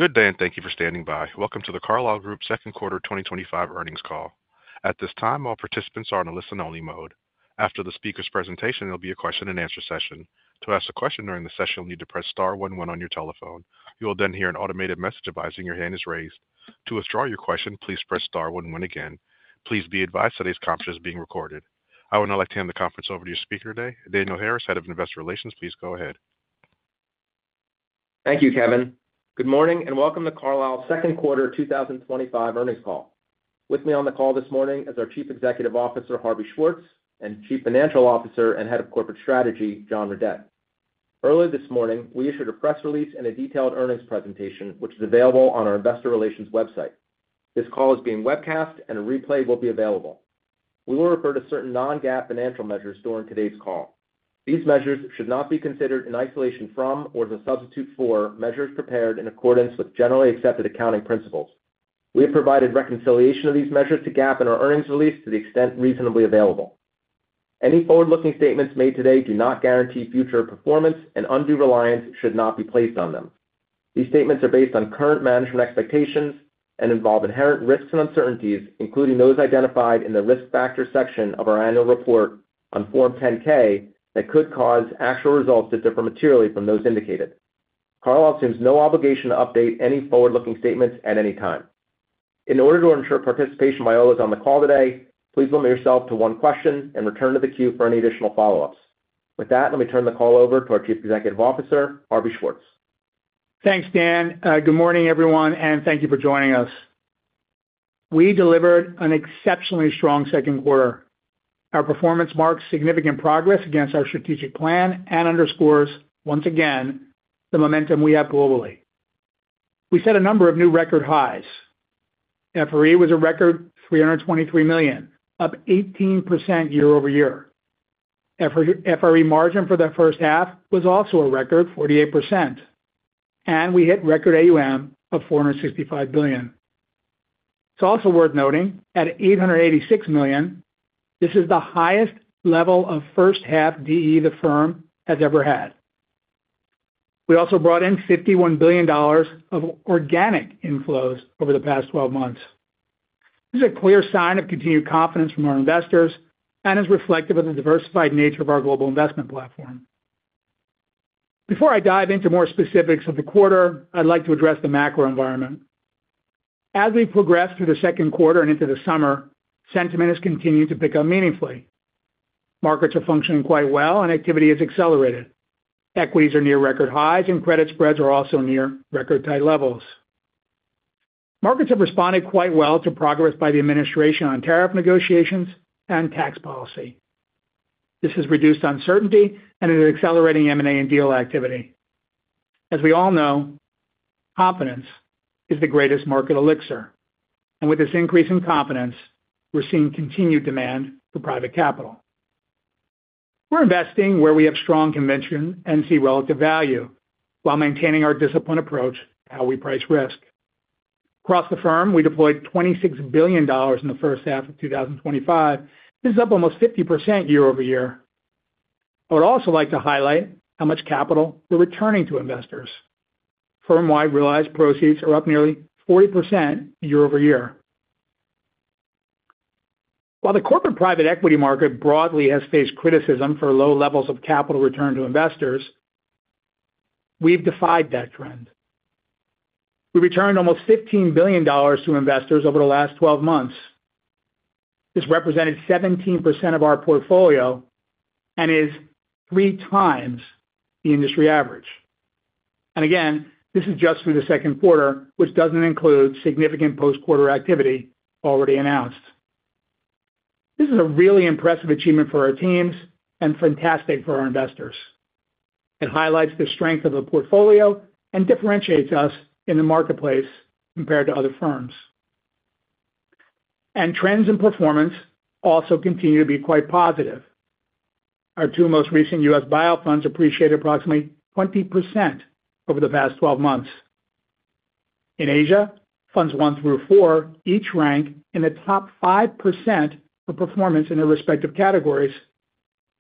Good day and thank you for standing by. Welcome to The Carlyle Group's second quarter 2025 earnings call. At this time, all participants are in a listen-only mode. After the speaker's presentation, there will be a question and answer session. To ask a question during the session, you'll need to press star one one on your telephone. You will then hear an automated message advising your hand is raised. To withdraw your question, please press star one one again. Please be advised today's conference is being recorded. I will now like to hand the conference over to your speaker today, Daniel Harris, Head of Investor Relations. Please go ahead. Thank you, Kevin. Good morning and welcome to Carlyle's second quarter 2025 earnings call. With me on the call this morning is our Chief Executive Officer, Harvey Schwartz, and Chief Financial Officer and Head of Corporate Strategy, John Redett. Earlier this morning, we issued a press release and a detailed earnings presentation, which is available on our Investor Relations website. This call is being webcast and a replay will be available. We will refer to certain non-GAAP financial measures during today's call. These measures should not be considered in isolation from or as a substitute for measures prepared in accordance with generally accepted accounting principles. We have provided reconciliation of these measures to GAAP in our earnings release to the extent reasonably available. Any forward-looking statements made today do not guarantee future performance, and undue reliance should not be placed on them. These statements are based on current management expectations and involve inherent risks and uncertainties, including those identified in the risk factors section of our annual report on Form 10-K that could cause actual results that differ materially from those indicated. Carlyle assumes no obligation to update any forward-looking statements at any time. In order to ensure participation by all those on the call today, please limit yourself to one question and return to the queue for any additional follow-ups. With that, let me turn the call over to our Chief Executive Officer, Harvey Schwartz. Thanks, Dan. Good morning, everyone, and thank you for joining us. We delivered an exceptionally strong second quarter. Our performance marks significant progress against our strategic plan and underscores, once again, the momentum we have globally. We set a number of new record highs. FRE was a record $323 million, up 18% year-over-year. FRE margin for the first half was also a record 48%, and we hit record AUM of $465 billion. It's also worth noting at $886 million, this is the highest level of first-half DE the firm has ever had. We also brought in $51 billion of organic inflows over the past 12 months. This is a clear sign of continued confidence from our investors and is reflective of the diversified nature of our global investment platform. Before I dive into more specifics of the quarter, I'd like to address the macro environment. As we progress through the second quarter and into the summer, sentiment has continued to pick up meaningfully. Markets are functioning quite well and activity is accelerated. Equities are near record highs and credit spreads are also near record-tight levels. Markets have responded quite well to progress by the administration on tariff negotiations and tax policy. This has reduced uncertainty and is accelerating M&A and deal activity. As we all know, confidence is the greatest market elixir, and with this increase in confidence, we're seeing continued demand for private capital. We're investing where we have strong conviction and see relative value while maintaining our disciplined approach to how we price risk. Across the firm, we deployed $26 billion in the first half of 2025. This is up almost 50% year-over-year. I would also like to highlight how much capital we're returning to investors. Firm-wide realized proceeds are up nearly 40% year-over-year. While the corporate private equity market broadly has faced criticism for low levels of capital return to investors, we've defied that trend. We returned almost $15 billion to investors over the last 12 months. This represented 17% of our portfolio and is three times the industry average. This is just through the second quarter, which doesn't include significant post-quarter activity already announced. This is a really impressive achievement for our teams and fantastic for our investors. It highlights the strength of the portfolio and differentiates us in the marketplace compared to other firms. Trends in performance also continue to be quite positive. Our two most recent U.S. buyout funds appreciated approximately 20% over the past 12 months. In Asia, funds one through four each rank in the top 5% for performance in their respective categories,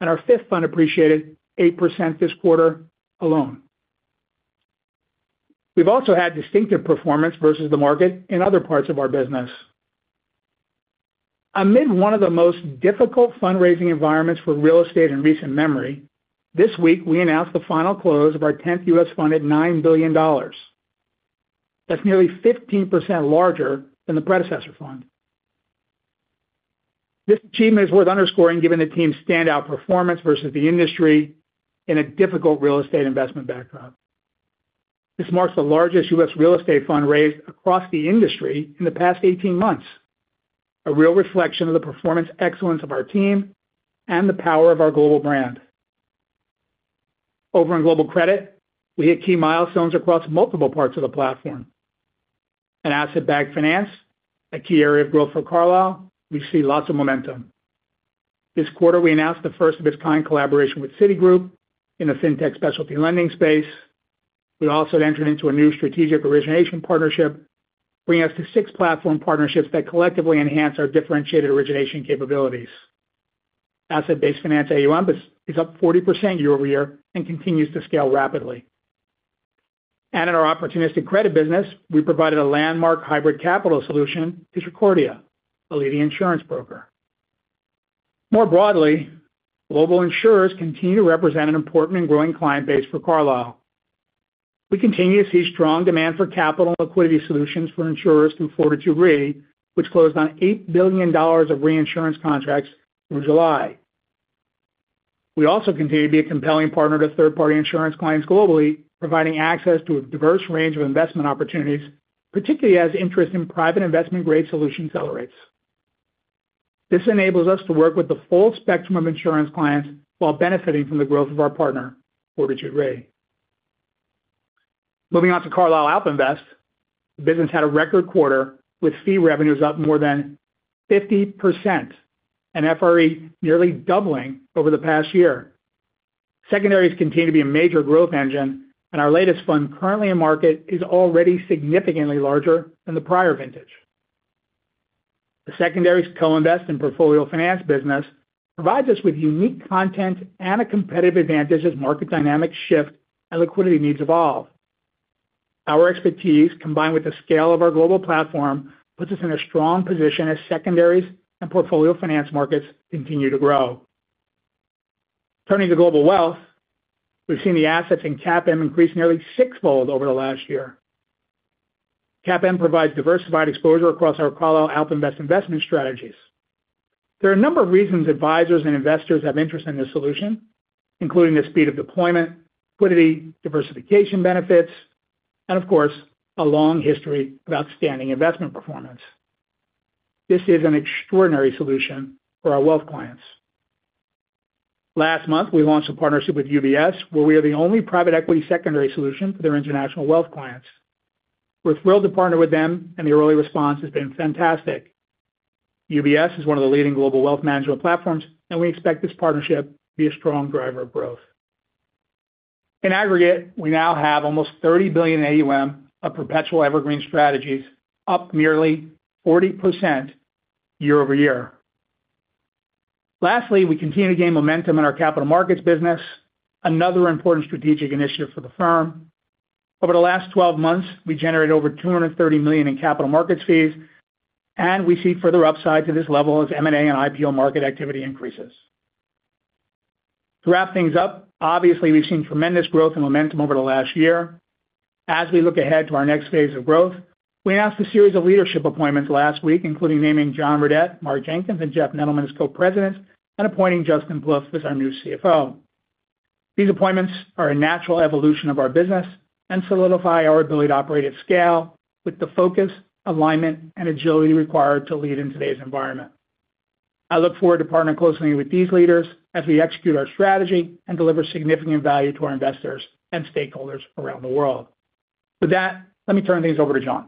and our fifth fund appreciated 8% this quarter alone. We've also had distinctive performance versus the market in other parts of our business. Amid one of the most difficult fundraising environments for real estate in recent memory, this week we announced the final close of our 10th U.S. real estate fund at $9 billion. That's nearly 15% larger than the predecessor fund. This achievement is worth underscoring given the team's standout performance versus the industry in a difficult real estate investment backdrop. This marks the largest U.S. real estate fund raised across the industry in the past 18 months, a real reflection of the performance excellence of our team and the power of our global brand. Over in Global Credit, we hit key milestones across multiple parts of the platform. In asset-backed finance, a key area of growth for Carlyle, we see lots of momentum. This quarter, we announced the first of its kind collaboration with Citigroup in the fintech specialty lending space. We also entered into a new strategic origination partnership, bringing us to six platform partnerships that collectively enhance our differentiated origination capabilities. Asset-backed finance AUM is up 40% year-over-year and continues to scale rapidly. In our opportunistic credit business, we provided a landmark hybrid capital solution to Cecordia, the leading insurance broker. More broadly, global insurers continue to represent an important and growing client base for Carlyle. We continue to see strong demand for capital and liquidity solutions for insurers from Fortitude Re, which closed on $8 billion of reinsurance contracts in July. We also continue to be a compelling partner to third-party insurance clients globally, providing access to a diverse range of investment opportunities, particularly as interest in private investment-grade solutions accelerates. This enables us to work with the full spectrum of insurance clients while benefiting from the growth of our partner, Fortitude Re. Moving on to Carlyle AlpInvest, the business had a record quarter with fee revenues up more than 50% and FRE nearly doubling over the past year. Secondaries continue to be a major growth engine, and our latest fund currently in market is already significantly larger than the prior vintage. The secondaries, co-invest, and the portfolio finance business provide us with unique content and a competitive advantage as market dynamics shift and liquidity needs evolve. Our expertise, combined with the scale of our global platform, puts us in a strong position as secondaries and portfolio finance markets continue to grow. Turning to global wealth, we've seen the assets in CAPM increase nearly sixfold over the last year. CAPM provides diversified exposure across our Carlyle AlpInvest investment strategies. There are a number of reasons advisors and investors have interest in this solution, including the speed of deployment, liquidity, diversification benefits, and of course, a long history of outstanding investment performance. This is an extraordinary solution for our wealth clients. Last month, we launched a partnership with UBS, where we are the only private equity secondary solution for their international wealth clients. We're thrilled to partner with them, and the early response has been fantastic. UBS is one of the leading global wealth management platforms, and we expect this partnership to be a strong driver of growth. In aggregate, we now have almost $30 billion AUM of perpetual evergreen strategies, up nearly 40% year-over-year. Lastly, we continue to gain momentum in our capital markets business, another important strategic initiative for the firm. Over the last 12 months, we generated over $230 million in capital markets fees, and we see further upside to this level as M&A and IPO market activity increases. To wrap things up, obviously, we've seen tremendous growth and momentum over the last year. As we look ahead to our next phase of growth, we announced a series of leadership appointments last week, including naming John Redett, Mark Jenkins, and Jeff Nettleman as Co-Presidents, and appointing Justin Plouffe as our new CFO. These appointments are a natural evolution of our business and solidify our ability to operate at scale with the focus, alignment, and agility required to lead in today's environment. I look forward to partnering closely with these leaders as we execute our strategy and deliver significant value to our investors and stakeholders around the world. With that, let me turn things over to John.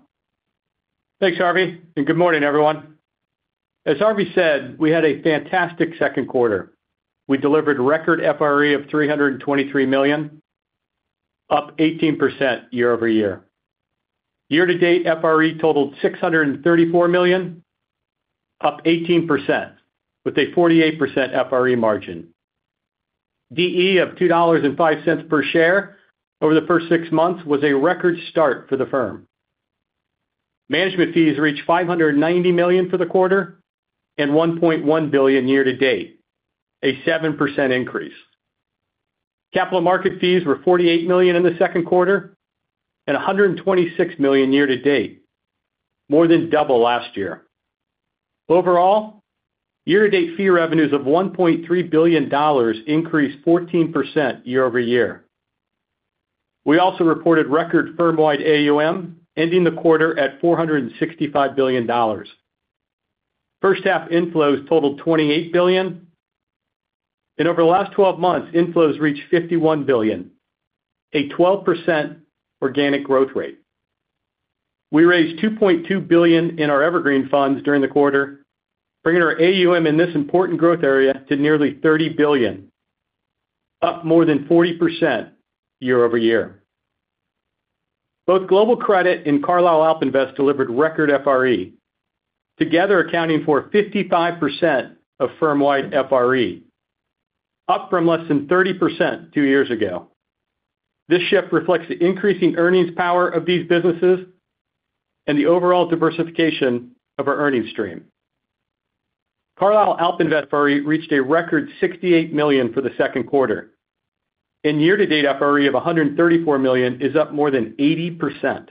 Thanks, Harvey, and good morning, everyone. As Harvey said, we had a fantastic second quarter. We delivered a record FRE of $323 million, up 18% year-over-year. Year-to-date FRE totaled $634 million, up 18%, with a 48% FRE margin. DE of $2.05 per share over the first six months was a record start for the firm. Management fees reached $590 million for the quarter and $1.1 billion year-to-date, a 7% increase. Capital market fees were $48 million in the second quarter and $126 million year-to-date, more than double last year. Overall, year-to-date fee revenues of $1.3 billion increased 14% year-over-year. We also reported record firm-wide AUM ending the quarter at $465 billion. First-half inflows totaled $28 billion, and over the last 12 months, inflows reached $51 billion, a 12% organic growth rate. We raised $2.2 billion in our evergreen funds during the quarter, bringing our AUM in this important growth area to nearly $30 billion, up more than 40% year-over-year. Both Global Credit and Carlyle AlpInvest delivered record FRE, together accounting for 55% of firm-wide FRE, up from less than 30% two years ago. This shift reflects the increasing earnings power of these businesses and the overall diversification of our earnings stream. Carlyle AlpInvest FRE reached a record $68 million for the second quarter, and year-to-date FRE of $134 million is up more than 80%,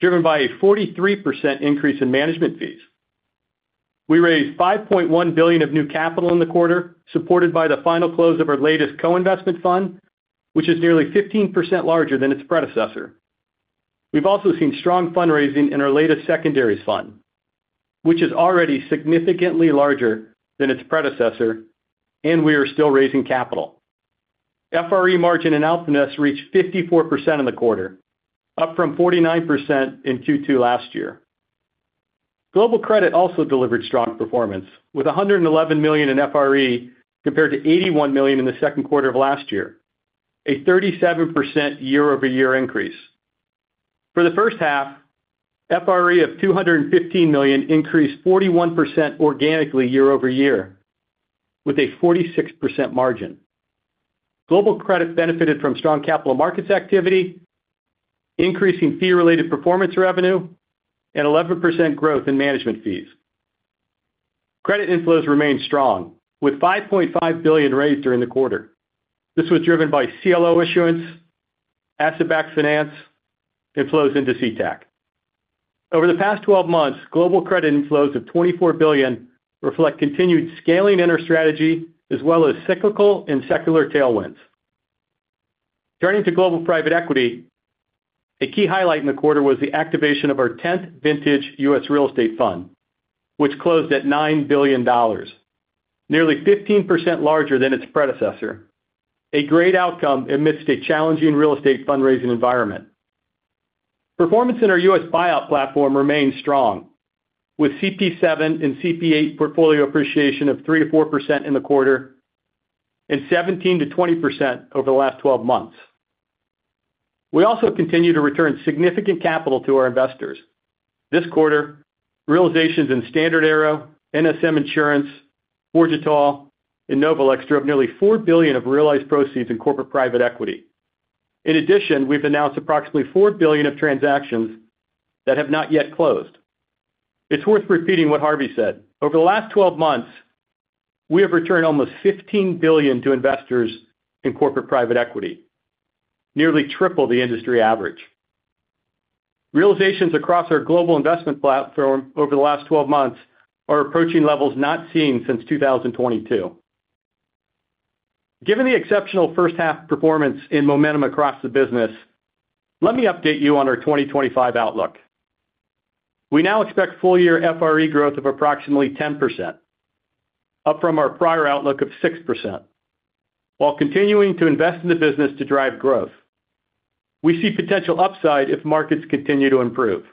driven by a 43% increase in management fees. We raised $5.1 billion of new capital in the quarter, supported by the final close of our latest co-investment fund, which is nearly 15% larger than its predecessor. We've also seen strong fundraising in our latest secondaries fund, which is already significantly larger than its predecessor, and we are still raising capital. FRE margin in AlpInvest reached 54% in the quarter, up from 49% in Q2 last year. Global Credit also delivered strong performance, with $111 million in FRE compared to $81 million in the second quarter of last year, a 37% year-over-year increase. For the first half, FRE of $215 million increased 41% organically year-over-year, with a 46% margin. Global Credit benefited from strong capital markets activity, increasing fee-related performance revenue, and 11% growth in management fees. Credit inflows remain strong, with $5.5 billion raised during the quarter. This was driven by CLO issuance, asset-backed finance, inflows into CTAC over the past 12 months. Global Credit inflows of $24 billion reflect continued scaling in our strategy, as well as cyclical and secular tailwinds. Turning to global private equity, a key highlight in the quarter was the activation of our 10th vintage U.S. real estate fund, which closed at $9 billion, nearly 15% larger than its predecessor, a great outcome amidst a challenging real estate fundraising environment. Performance in our U.S. buyout platform remains strong, with CP7 and CP8 portfolio appreciation of 3%-4% in the quarter and 17%- 20% over the last 12 months. We also continue to return significant capital to our investors. This quarter, realizations in StandardAero, NSM Insurance, Fortitude, and Novelex drove nearly $4 billion of realized proceeds in corporate private equity. In addition, we've announced approximately $4 billion of transactions that have not yet closed. It's worth repeating what Harvey said. Over the last 12 months, we have returned almost $15 billion to investors in corporate private equity, nearly triple the industry average. Realizations across our global investment platform over the last 12 months are approaching levels not seen since 2022. Given the exceptional first-half performance and momentum across the business, let me update you on our 2025 outlook. We now expect full-year FRE growth of approximately 10%, up from our prior outlook of 6%. While continuing to invest in the business to drive growth, we see potential upside if markets continue to improve.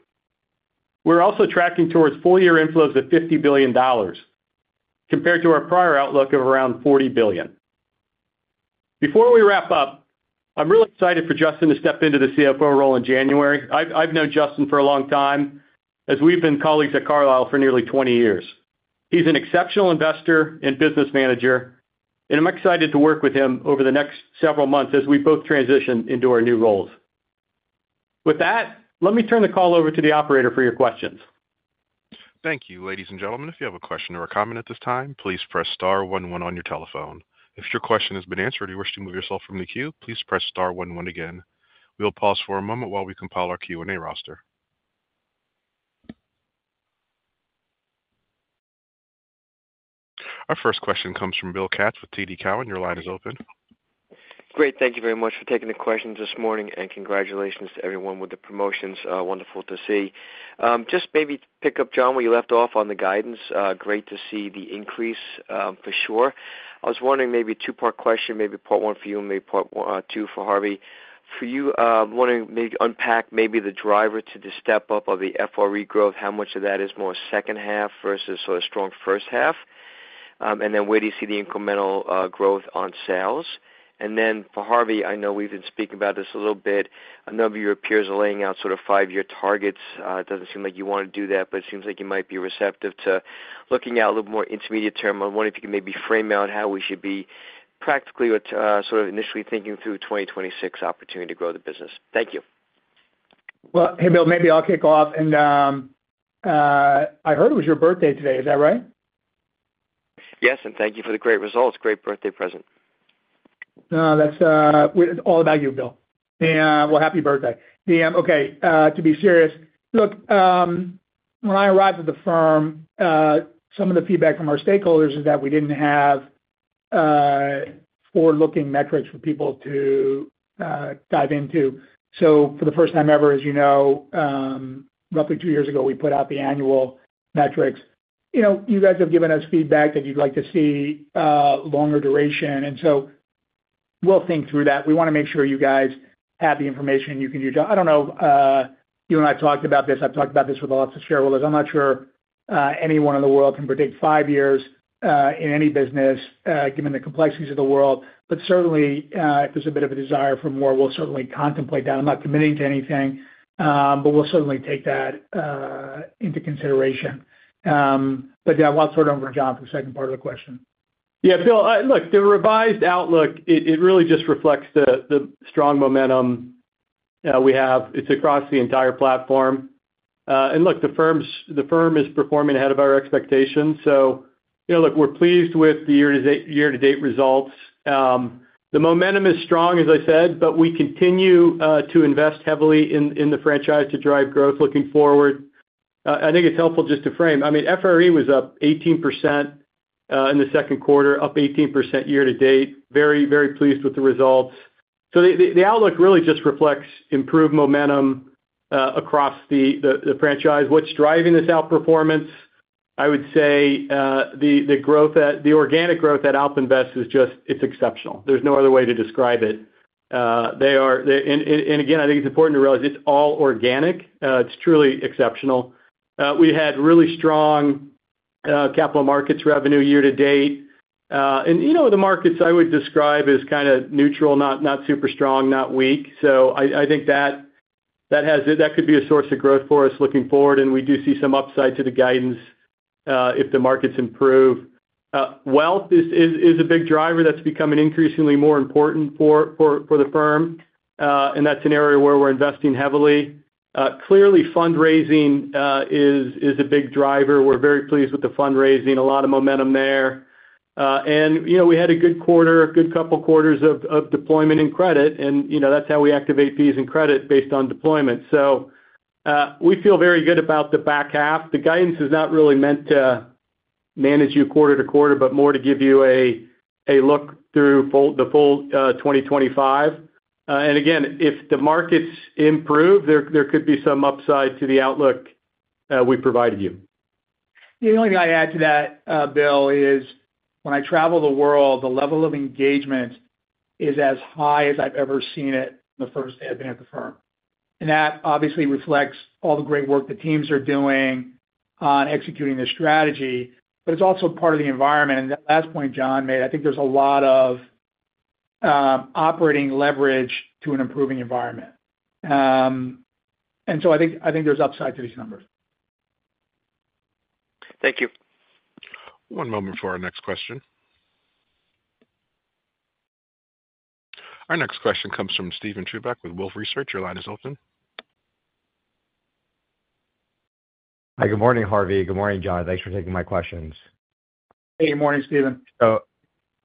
We're also tracking towards full-year inflows of $50 billion compared to our prior outlook of around $40 billion. Before we wrap up, I'm really excited for Justin to step into the CFO role in January. I've known Justin for a long time, as we've been colleagues at Carlyle for nearly 20 years. He's an exceptional investor and business manager, and I'm excited to work with him over the next several months as we both transition into our new roles. With that, let me turn the call over to the operator for your questions. Thank you, ladies and gentlemen. If you have a question or a comment at this time, please press *11 on your telephone. If your question has been answered or you wish to move yourself from the queue, please press *11 again. We'll pause for a moment while we compile our Q&A roster. Our first question comes from Bill Katz with TD Cowen. Your line is open. Great. Thank you very much for taking the questions this morning, and congratulations to everyone with the promotions. Wonderful to see. Just maybe pick up, John, where you left off on the guidance. Great to see the increase for sure. I was wondering maybe a two-part question, maybe part one for you and maybe part two for Harvey. For you, I'm wondering maybe unpack maybe the driver to the step up of the FRE growth, how much of that is more second half versus sort of strong first half, and then where do you see the incremental growth on sales? For Harvey, I know we've been speaking about this a little bit. I know your peers are laying out sort of five-year targets. It doesn't seem like you want to do that, but it seems like you might be receptive to looking out a little more intermediate term. I'm wondering if you could maybe frame out how we should be practically or sort of initially thinking through 2026 opportunity to grow the business. Thank you. Bill, maybe I'll kick off. I heard it was your birthday today. Is that right? Yes, thank you for the great results. Great birthday present. No, that's all about you, Bill. Yeah, happy birthday. To be serious, look, when I arrived at the firm, some of the feedback from our stakeholders is that we didn't have forward-looking metrics for people to dive into. For the first time ever, as you know, roughly two years ago, we put out the annual metrics. You guys have given us feedback that you'd like to see longer duration, and we'll think through that. We want to make sure you guys have the information you can use. I don't know. You and I have talked about this. I've talked about this with lots of shareholders. I'm not sure anyone in the world can predict five years in any business given the complexities of the world. Certainly, if there's a bit of a desire for more, we'll certainly contemplate that. I'm not committing to anything, but we'll certainly take that into consideration. I'll turn it over to John for the second part of the question. Yeah, Bill, look, the revised outlook really just reflects the strong momentum we have. It's across the entire platform. The firm is performing ahead of our expectations. We're pleased with the year-to-date results. The momentum is strong, as I said, but we continue to invest heavily in the franchise to drive growth looking forward. I think it's helpful just to frame. I mean, FRE was up 18% in the second quarter, up 18% year to date. Very, very pleased with the results. The outlook really just reflects improved momentum across the franchise. What's driving this outperformance? I would say the growth, the organic growth at Carlyle AlpInvest is just, it's exceptional. There's no other way to describe it. They are, and again, I think it's important to realize it's all organic. It's truly exceptional. We had really strong capital markets revenue year to date. The markets I would describe as kind of neutral, not super strong, not weak. I think that could be a source of growth for us looking forward. We do see some upside to the guidance if the markets improve. Wealth is a big driver that's becoming increasingly more important for the firm. That's an area where we're investing heavily. Clearly, fundraising is a big driver. We're very pleased with the fundraising, a lot of momentum there. We had a good quarter, a good couple of quarters of deployment in credit. That's how we activate fees in credit based on deployment. We feel very good about the back half. The guidance is not really meant to manage you quarter to quarter, but more to give you a look through the full 2025. If the markets improve, there could be some upside to the outlook we provided you. The only thing I'd add to that, Bill, is when I travel the world, the level of engagement is as high as I've ever seen it the first day I've been at the firm. That obviously reflects all the great work the teams are doing on executing the strategy, but it's also part of the environment. That last point John made, I think there's a lot of operating leverage to an improving environment. I think there's upside to these numbers. Thank you. One moment for our next question. Our next question comes from Steven Chubak with Wolfe Research. Your line is open. Hi, good morning, Harvey. Good morning, John. Thanks for taking my questions. Hey, good morning, Steven.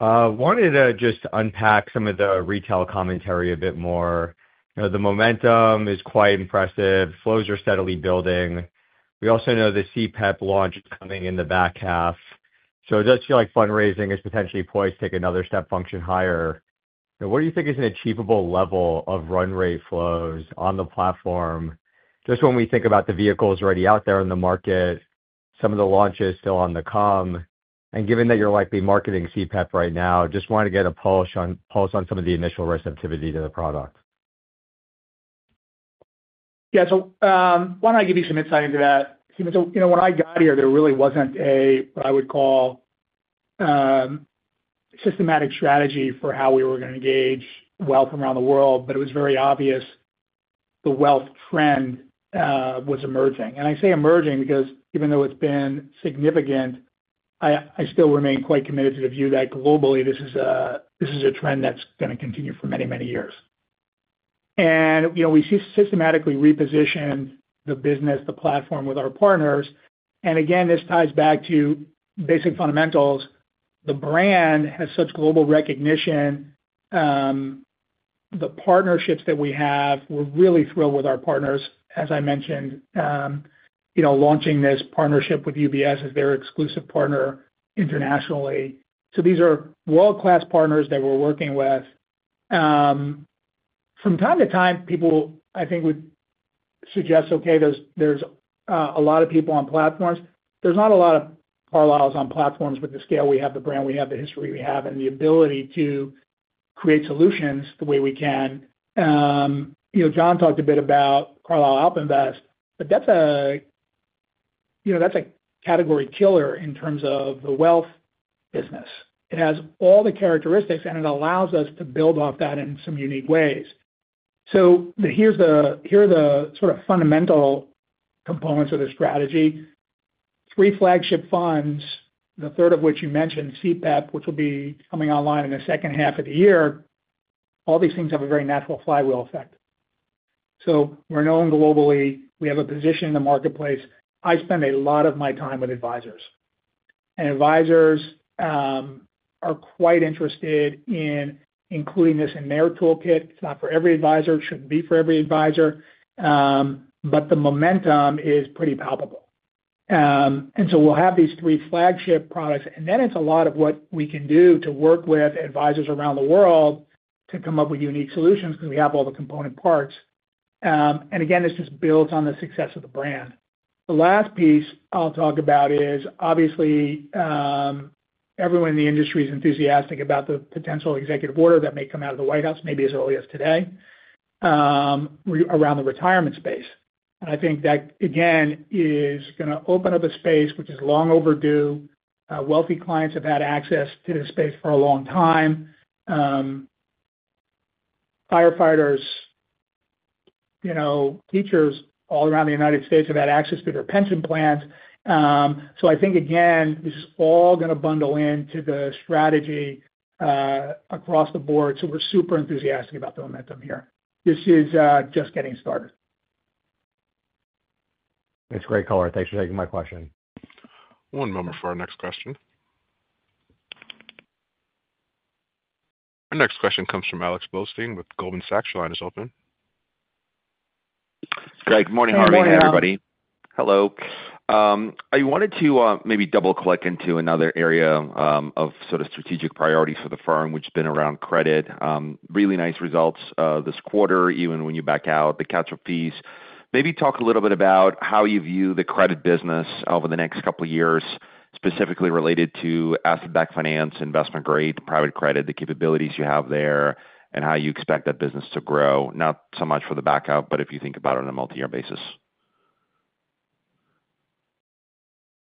I wanted to just unpack some of the retail commentary a bit more. The momentum is quite impressive. Flows are steadily building. We also know the CPEP launch is coming in the back half. It does feel like fundraising is potentially poised to take another step function higher. What do you think is an achievable level of run rate flows on the platform? When we think about the vehicles already out there in the market, some of the launches still on the come, and given that you're likely marketing CPEP right now, I just wanted to get a pulse on some of the initial receptivity to the product. Yeah, so why don't I give you some insight into that, Steven? When I got here, there really wasn't a, what I would call, systematic strategy for how we were going to engage wealth around the world, but it was very obvious the wealth trend was emerging. I say emerging because even though it's been significant, I still remain quite committed to the view that globally, this is a trend that's going to continue for many, many years. We systematically repositioned the business, the platform with our partners. This ties back to basic fundamentals. The brand has such global recognition. The partnerships that we have, we're really thrilled with our partners. As I mentioned, launching this partnership with UBS as their exclusive partner internationally. These are world-class partners that we're working with. From time to time, people, I think, would suggest, okay, there's a lot of people on platforms. There's not a lot of Carlyle's on platforms with the scale we have, the brand we have, the history we have, and the ability to create solutions the way we can. John talked a bit about Carlyle AlpInvest, but that's a category killer in terms of the wealth business. It has all the characteristics, and it allows us to build off that in some unique ways. Here are the sort of fundamental components of the strategy. Three flagship funds, the third of which you mentioned, CPEP, which will be coming online in the second half of the year, all these things have a very natural flywheel effect. We're known globally. We have a position in the marketplace. I spend a lot of my time with advisors. Advisors are quite interested in including this in their toolkit. It's not for every advisor. It shouldn't be for every advisor. The momentum is pretty palpable. We'll have these three flagship products, and then it's a lot of what we can do to work with advisors around the world to come up with unique solutions because we have all the component parts. This just builds on the success of the brand. The last piece I'll talk about is, obviously, everyone in the industry is enthusiastic about the potential executive order that may come out of the White House, maybe as early as today, around the retirement space. I think that, again, is going to open up a space which is long overdue. Wealthy clients have had access to this space for a long time. Firefighters, teachers all around the United States have had access to their pension plans. I think, again, this is all going to bundle into the strategy across the board. We're super enthusiastic about the momentum here. This is just getting started. It's a great call. Thanks for taking my question. One moment for our next question. Our next question comes from Alex Blostein with Goldman Sachs. Your line is open. Good morning, Harvey. Hi everybody. Hello. I wanted to maybe double click into another area of sort of strategic priorities for the firm, which has been around credit. Really nice results this quarter, even when you back out the catch-up fees. Maybe talk a little bit about how you view the credit business over the next couple of years, specifically related to asset-backed finance, investment-grade private credit, the capabilities you have there, and how you expect that business to grow. Not so much for the backup, but if you think about it on a multi-year basis.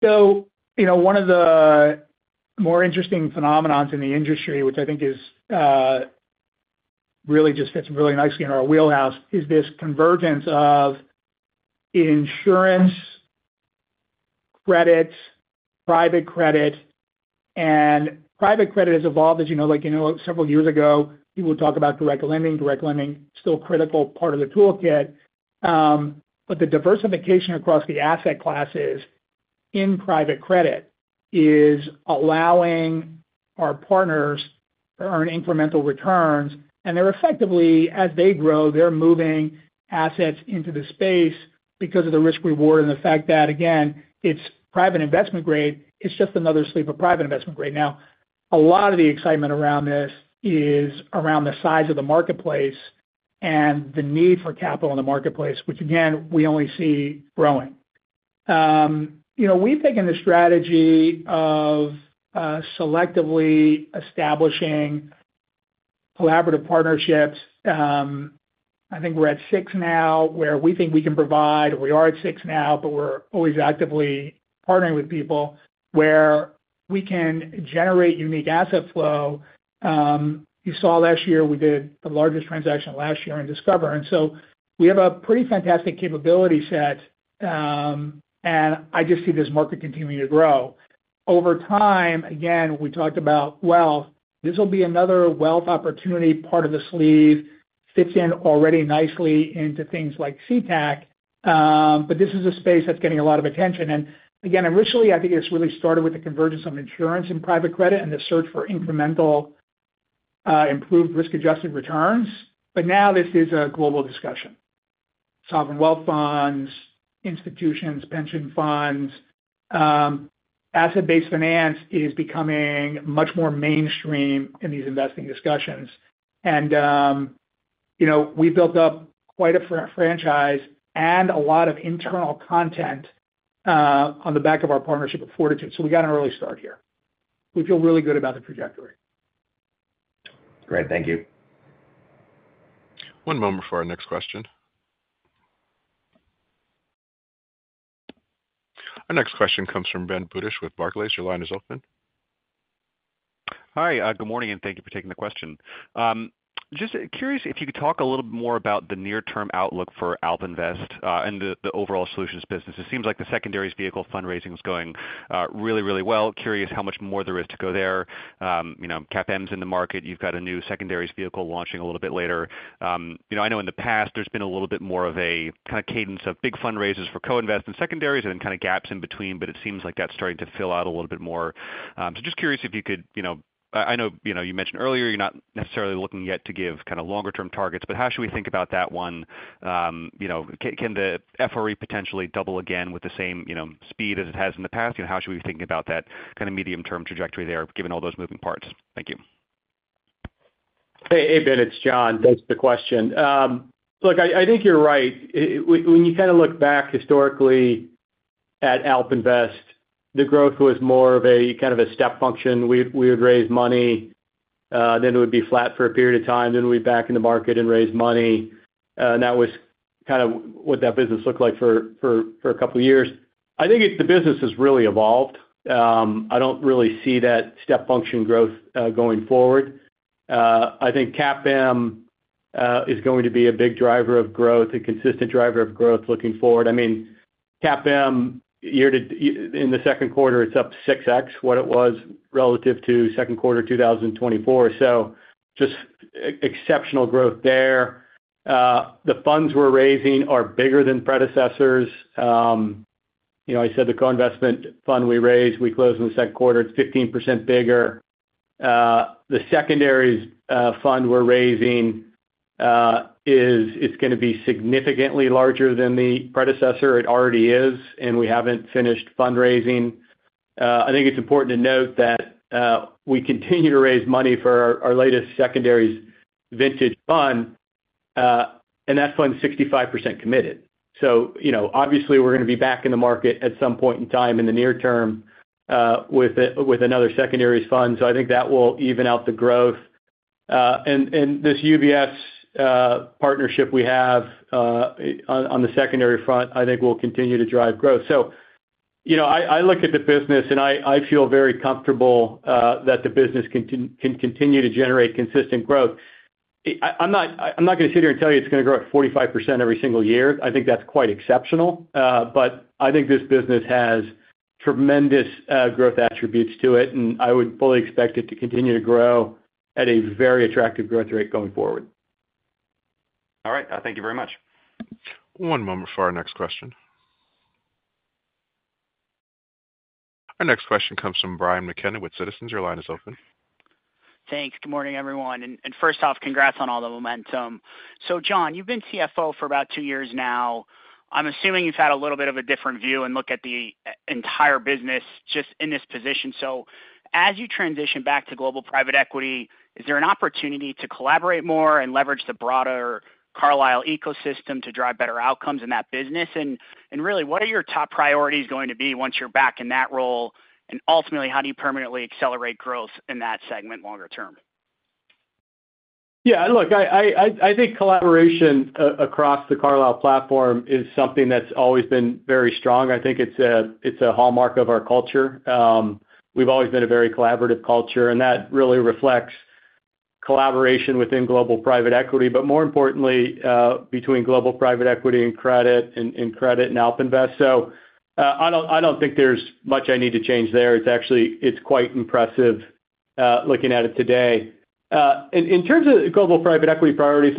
One of the more interesting phenomenons in the industry, which I think really just fits really nicely in our wheelhouse, is this convergence of insurance, credit, private credit. Private credit has evolved, as you know, like several years ago, people would talk about direct lending. Direct lending is still a critical part of the toolkit. The diversification across the asset classes in private credit is allowing our partners to earn incremental returns. They're effectively, as they grow, moving assets into the space because of the risk-reward and the fact that, again, it's private investment grade. It's just another sleeve of private investment grade. A lot of the excitement around this is around the size of the marketplace and the need for capital in the marketplace, which, again, we only see growing. We've taken the strategy of selectively establishing collaborative partnerships. I think we're at six now where we think we can provide, or we are at six now, but we're always actively partnering with people where we can generate unique asset flow. You saw last year we did the largest transaction last year in Discover. We have a pretty fantastic capability set. I just see this market continuing to grow. Over time, again, we talked about wealth. This will be another wealth opportunity part of the sleeve. Fits in already nicely into things like CTAC, but this is a space that's getting a lot of attention. Originally, I think it really started with the convergence of insurance and private credit and the search for incremental, improved risk-adjusted returns. Now this is a global discussion. Sovereign wealth funds, institutions, pension funds, asset-based finance is becoming much more mainstream in these investing discussions. We built up quite a franchise and a lot of internal content on the back of our partnership with Fortitude. We got an early start here. We feel really good about the trajectory. Great. Thank you. One moment for our next question. Our next question comes from Ben Budish with Barclays. Your line is open. Hi, good morning, and thank you for taking the question. Just curious if you could talk a little bit more about the near-term outlook for AlpInvest and the overall solutions business. It seems like the secondaries vehicle fundraising is going really, really well. Curious how much more there is to go there. CAPM's in the market. You've got a new secondaries vehicle launching a little bit later. I know in the past there's been a little bit more of a kind of cadence of big fundraisers for co-investment secondaries and then kind of gaps in between, but it seems like that's starting to fill out a little bit more. Just curious if you could, I know you mentioned earlier you're not necessarily looking yet to give kind of longer-term targets, but how should we think about that one? Can the FRE potentially double again with the same speed as it has in the past? How should we be thinking about that kind of medium-term trajectory there given all those moving parts? Thank you. Hey, hey Ben, it's John. Thanks for the question. Look, I think you're right. When you kind of look back historically at AlpInvest, the growth was more of a kind of a step function. We would raise money, then it would be flat for a period of time, then we'd be back in the market and raise money. That was kind of what that business looked like for a couple of years. I think the business has really evolved. I don't really see that step function growth going forward. I think CAPM is going to be a big driver of growth, a consistent driver of growth looking forward. I mean, CAPM year to in the second quarter, it's up 6x what it was relative to second quarter 2024. Just exceptional growth there. The funds we're raising are bigger than predecessors. I said the co-investment fund we raised, we closed in the second quarter. It's 15% bigger. The secondaries fund we're raising is going to be significantly larger than the predecessor. It already is, and we haven't finished fundraising. I think it's important to note that we continue to raise money for our latest secondaries vintage fund, and that fund's 65% committed. Obviously we're going to be back in the market at some point in time in the near term with another secondaries fund. I think that will even out the growth. This UBS partnership we have on the secondary front, I think will continue to drive growth. I look at the business and I feel very comfortable that the business can continue to generate consistent growth. I'm not going to sit here and tell you it's going to grow at 45% every single year. I think that's quite exceptional. I think this business has tremendous growth attributes to it, and I would fully expect it to continue to grow at a very attractive growth rate going forward. All right, thank you very much. One moment for our next question. Our next question comes from Brian McKenna with Citizens. Your line is open. Thanks. Good morning, everyone. First off, congrats on all the momentum. John, you've been CFO for about two years now. I'm assuming you've had a little bit of a different view and look at the entire business just in this position. As you transition back to Global Private Equity, is there an opportunity to collaborate more and leverage the broader Carlyle ecosystem to drive better outcomes in that business? What are your top priorities going to be once you're back in that role? Ultimately, how do you permanently accelerate growth in that segment longer term? Yeah, look, I think collaboration across The Carlyle platform is something that's always been very strong. I think it's a hallmark of our culture. We've always been a very collaborative culture, and that really reflects collaboration within global private equity, but more importantly, between global private equity and credit and credit and AlpInvest. I don't think there's much I need to change there. It's actually quite impressive looking at it today. In terms of the global private equity priorities,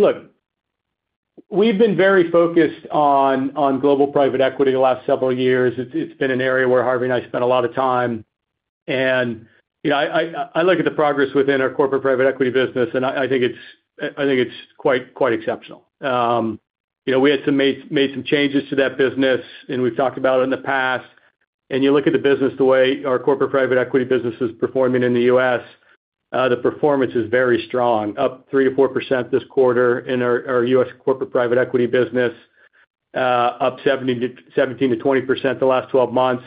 we've been very focused on global private equity the last several years. It's been an area where Harvey and I spent a lot of time. I look at the progress within our corporate private equity business, and I think it's quite exceptional. We had made some changes to that business, and we've talked about it in the past. You look at the business, the way our corporate private equity business is performing in the U.S., the performance is very strong, up 3%-4% this quarter in our U.S. corporate private equity business, up 17% to 20% the last 12 months.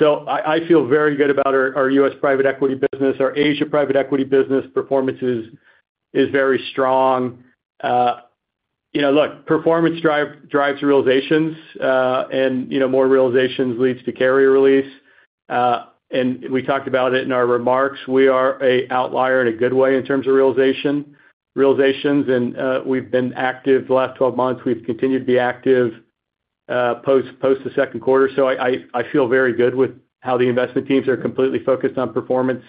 I feel very good about our U.S. private equity business. Our Asia private equity business performance is very strong. Performance drives realizations, and more realizations lead to carrier release. We talked about it in our remarks. We are an outlier in a good way in terms of realizations. We've been active the last 12 months. We've continued to be active post the second quarter. I feel very good with how the investment teams are completely focused on performance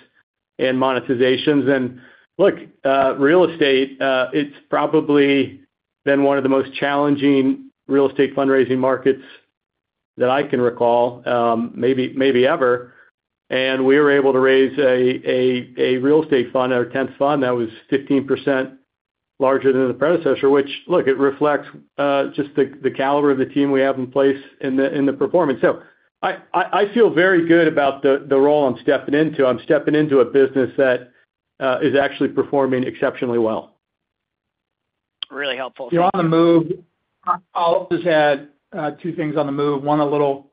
and monetizations. Real estate, it's probably been one of the most challenging real estate fundraising markets that I can recall, maybe ever. We were able to raise a real estate fund, our 10th fund, that was 15% larger than the predecessor, which reflects just the caliber of the team we have in place and the performance. I feel very good about the role I'm stepping into. I'm stepping into a business that is actually performing exceptionally well. Really helpful. You're on the move. All of this had two things on the move. One, a little,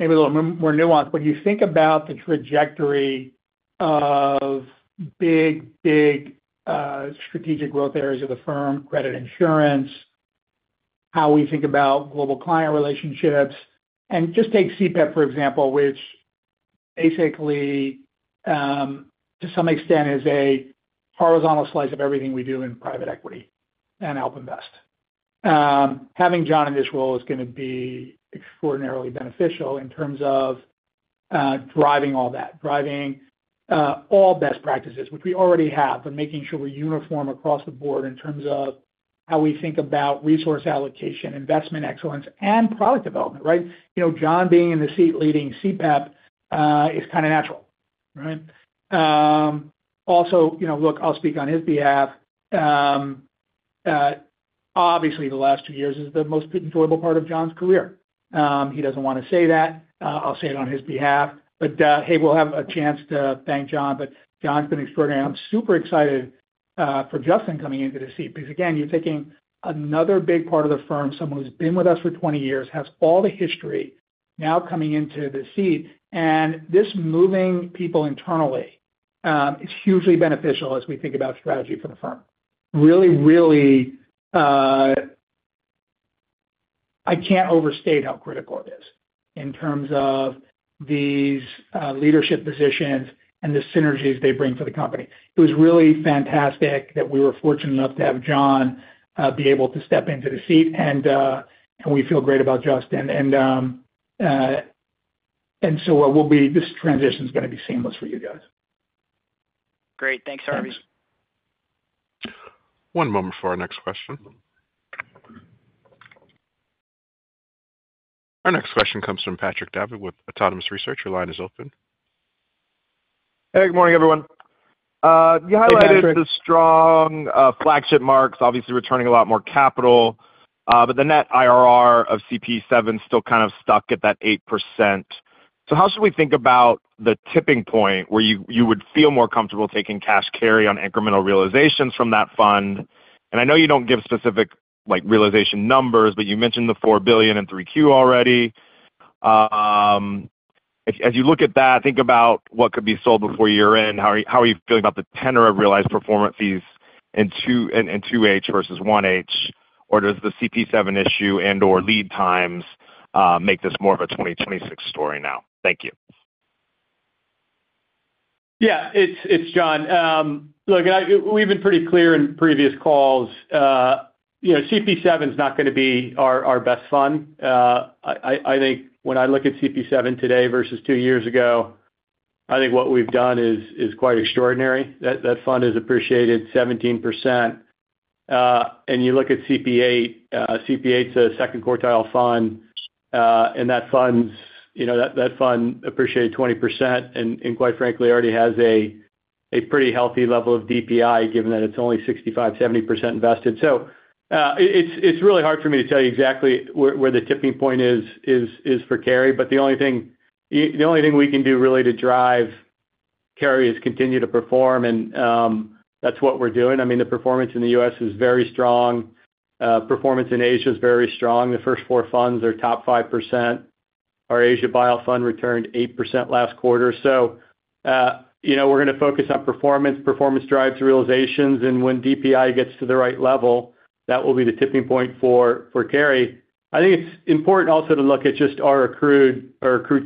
maybe a little more nuanced. When you think about the trajectory of big, big strategic growth areas of the firm, credit insurance, how we think about global client relationships, and just take CPEP, for example, which basically, to some extent, is a horizontal slice of everything we do in private equity and AlpInvest. Having John in this role is going to be extraordinarily beneficial in terms of driving all that, driving all best practices, which we already have, and making sure we're uniform across the board in terms of how we think about resource allocation, investment excellence, and product development. Right? You know, John being in the seat leading CPEP is kind of natural. Right? Also, look, I'll speak on his behalf. Obviously, the last two years is the most pivotal part of John's career. He doesn't want to say that. I'll say it on his behalf. We'll have a chance to thank John. John's been extraordinary. I'm super excited for Justin coming into the seat because, again, you're taking another big part of the firm, someone who's been with us for 20 years, has all the history now coming into the seat. This moving people internally is hugely beneficial as we think about strategy for the firm. Really, I can't overstate how critical it is in terms of these leadership positions and the synergies they bring for the company. It was really fantastic that we were fortunate enough to have John be able to step into the seat, and we feel great about Justin. This transition is going to be seamless for you guys. Great. Thanks, Harvey. One moment for our next question. Our next question comes from Patrick Davitt with Autonomous Research. Your line is open. Hey, good morning, everyone. You highlighted the strong flagship marks, obviously returning a lot more capital, but the net IRR of CP7 still kind of stuck at that 8%. How should we think about the tipping point where you would feel more comfortable taking cash carry on incremental realizations from that fund? I know you don't give specific realization numbers, but you mentioned the $4 billion in 3Q already. As you look at that, think about what could be sold before year-end. How are you feeling about the tenor of realized performance fees in 2H versus 1H? Does the CP7 issue and/or lead times make this more of a 2026 story now? Thank you. Yeah, it's John. Look, we've been pretty clear in previous calls. You know, CP7 is not going to be our best fund. I think when I look at CP7 today versus two years ago, I think what we've done is quite extraordinary. That fund has appreciated 17%. You look at CP8, CP8 is a second quartile fund. That fund appreciated 20% and quite frankly already has a pretty healthy level of DPI given that it's only 65%, 70% invested. It's really hard for me to tell you exactly where the tipping point is for carry. The only thing we can do really to drive carry is continue to perform, and that's what we're doing. I mean, the performance in the U.S. is very strong. Performance in Asia is very strong. The first four funds are top 5%. Our Asia buyout fund returned 8% last quarter. We're going to focus on performance. Performance drives realizations. When DPI gets to the right level, that will be the tipping point for carry. I think it's important also to look at just our accrued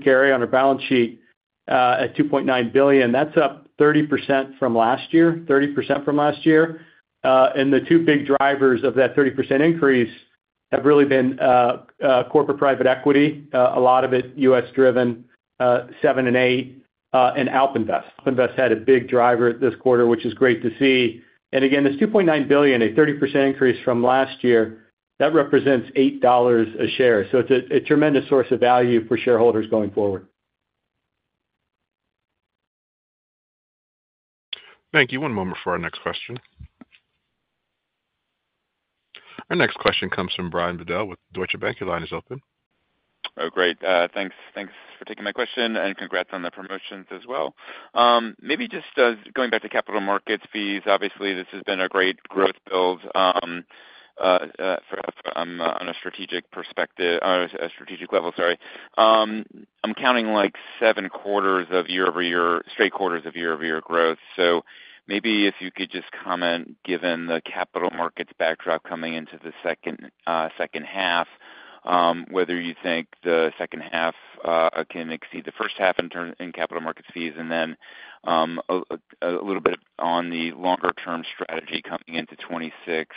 carry on our balance sheet at $2.9 billion. That's up 30% from last year, 30% from last year. The two big drivers of that 30% increase have really been corporate private equity, a lot of it U.S.-driven, 7 and 8, and AlpInvest. AlpInvest had a big driver this quarter, which is great to see. Again, this $2.9 billion, a 30% increase from last year, that represents $8 a share. It's a tremendous source of value for shareholders going forward. Thank you. One moment for our next question. Our next question comes from Brian Bedell with Deutsche Bank. Your line is open. Oh, great. Thanks. Thanks for taking my question and congrats on the promotions as well. Maybe just going back to capital markets fees, obviously this has been a great growth build on a strategic perspective, on a strategic level, sorry. I'm counting like seven straight quarters of year-over-year growth. Maybe if you could just comment, given the capital markets backdrop coming into the second half, whether you think the second half can exceed the first half in terms of capital markets fees, and then a little bit on the longer-term strategy coming into 2026,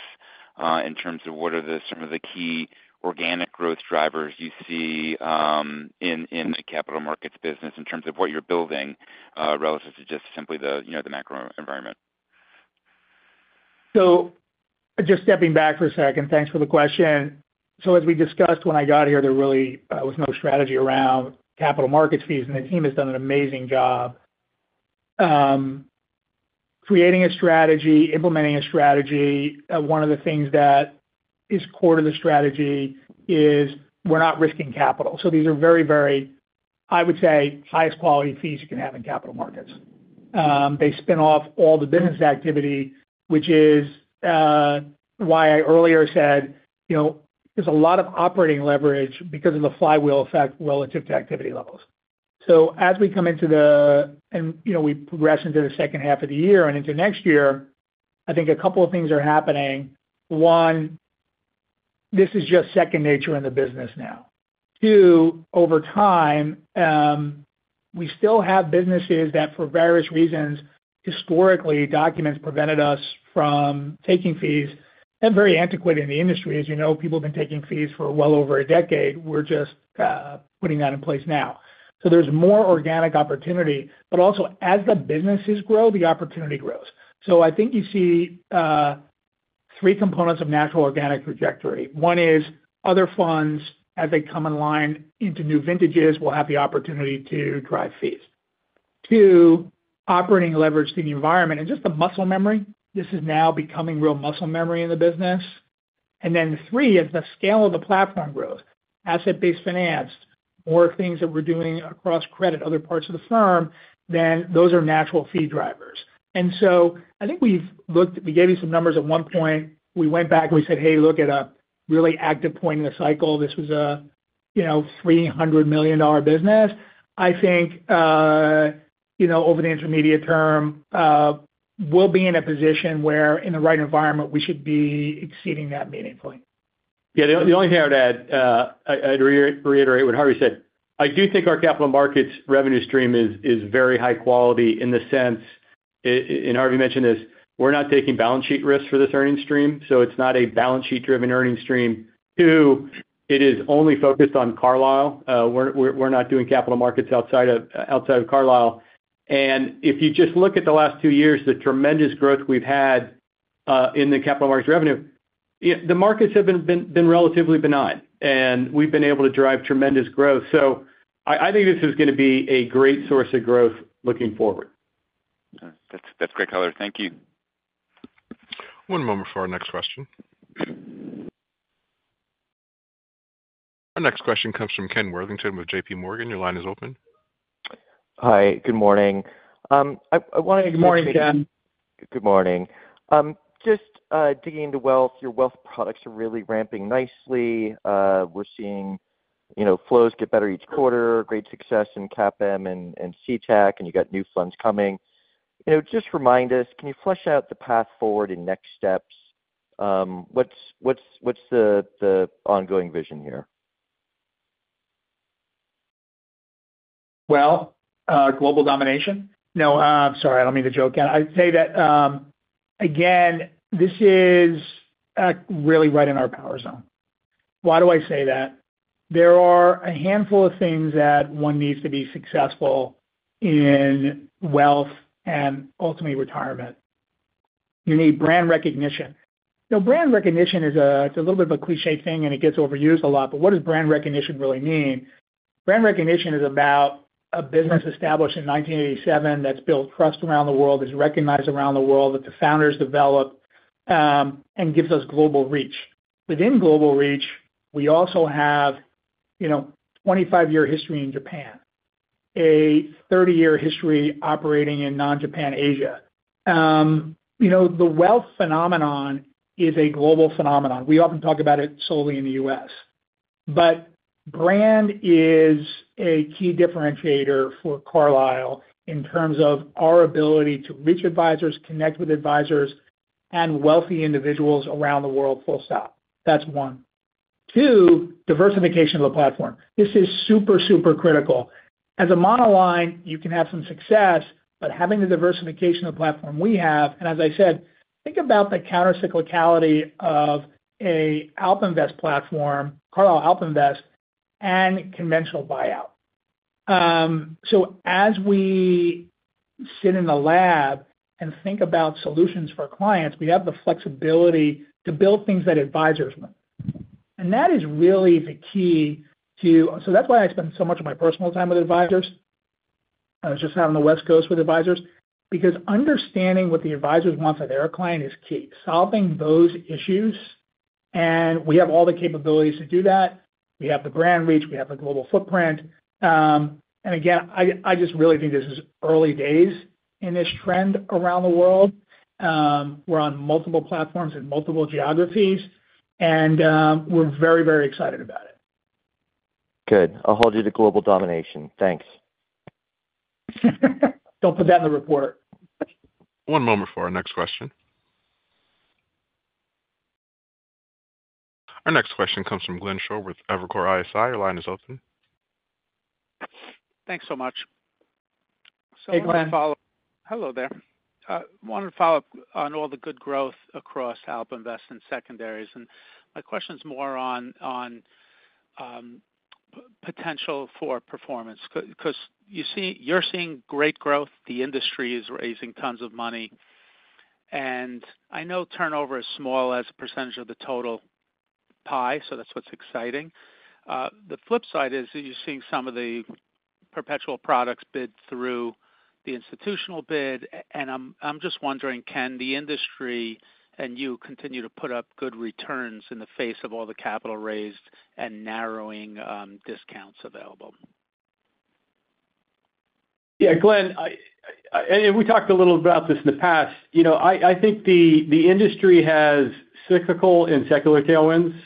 in terms of what are some of the key organic growth drivers you see in the capital markets business in terms of what you're building relative to just simply the macro environment? Just stepping back for a second, thanks for the question. As we discussed when I got here, there really was no strategy around capital markets fees, and the team has done an amazing job creating a strategy, implementing a strategy. One of the things that is core to the strategy is we're not risking capital. These are very, very, I would say, highest quality fees you can have in capital markets. They spin off all the business activity, which is why I earlier said there's a lot of operating leverage because of the flywheel effect relative to activity levels. As we come into the, and we progress into the second half of the year and into next year, I think a couple of things are happening. One, this is just second nature in the business now. Two, over time, we still have businesses that for various reasons, historically, documents prevented us from taking fees. Very antiquated in the industry, as you know, people have been taking fees for well over a decade. We're just putting that in place now. There's more organic opportunity, but also as the businesses grow, the opportunity grows. I think you see three components of natural organic trajectory. One is other funds, as they come in line into new vintages, will have the opportunity to drive fees. Two, operating leverage to the environment and just the muscle memory. This is now becoming real muscle memory in the business. Three, as the scale of the platform grows, asset-based finance, more things that we're doing across credit, other parts of the firm, those are natural fee drivers. I think we've looked, we gave you some numbers at one point. We went back and we said, hey, look at a really active point in the cycle. This was a $300 million business. I think over the intermediate term, we'll be in a position where, in the right environment, we should be exceeding that meeting point. Yeah, the only thing I would add, I'd reiterate what Harvey said. I do think our capital markets revenue stream is very high quality in the sense, and Harvey mentioned this, we're not taking balance sheet risks for this earning stream. It's not a balance sheet-driven earning stream. Two, it is only focused on Carlyle. We're not doing capital markets outside of Carlyle. If you just look at the last two years, the tremendous growth we've had in the capital markets revenue, the markets have been relatively benign, and we've been able to drive tremendous growth. I think this is going to be a great source of growth looking forward. That's great color. Thank you. One moment for our next question. Our next question comes from Ken Worthington with JPMorgan. Your line is open. Hi, good morning. I want to. Good morning, Ken. Good morning. Just digging into wealth, your wealth products are really ramping nicely. We're seeing flows get better each quarter. Great success in CAPM and CTAC, and you got new funds coming. Just remind us, can you flesh out the path forward in next steps? What's the ongoing vision here? Global domination. I'm sorry, I don't mean to joke. I'd say that, again, this is really right in our power zone. Why do I say that? There are a handful of things that one needs to be successful in wealth and ultimately retirement. You need brand recognition. Now, brand recognition is a little bit of a cliché thing, and it gets overused a lot, but what does brand recognition really mean? Brand recognition is about a business established in 1987 that's built trust around the world, is recognized around the world that the founders developed, and gives us global reach. Within global reach, we also have a 25-year history in Japan, a 30-year history operating in non-Japan Asia. The wealth phenomenon is a global phenomenon. We often talk about it solely in the U.S. Brand is a key differentiator for Carlyle in terms of our ability to reach advisors, connect with advisors, and wealthy individuals around the world full stop. That's one. Two, diversification of the platform. This is super, super critical. As a monoline, you can have some success, but having the diversification of the platform we have, and as I said, think about the countercyclicality of a Carlyle AlpInvest platform and conventional buyout. As we sit in the lab and think about solutions for clients, we have the flexibility to build things that advisors want. That is really the key to, that's why I spend so much of my personal time with advisors. I was just out on the West Coast with advisors because understanding what the advisors want for their client is key. Solving those issues, and we have all the capabilities to do that. We have the brand reach, we have the global footprint. I just really think this is early days in this trend around the world. We're on multiple platforms in multiple geographies, and we're very, very excited about it. Good. I'll hold you to global domination. Thanks. Don't put that in the report. One moment for our next question. Our next question comes from Glenn Schorr with Evercore ISI. Your line is open. Thanks so much. Hey, Glenn. Hello there. I wanted to follow up on all the good growth across AlpInvest and secondaries. My question's more on potential for performance because you're seeing great growth. The industry is raising tons of money. I know turnover is small as a percentage of the total pie, so that's what's exciting. The flip side is that you're seeing some of the perpetual products bid through the institutional bid. I'm just wondering, can the industry and you continue to put up good returns in the face of all the capital raised and narrowing discounts available? Yeah, Glenn, we talked a little about this in the past. I think the industry has cyclical and secular tailwinds.